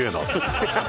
ハハハハ！